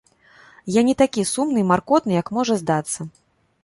Я не такі сумны і маркотны, як можа здацца.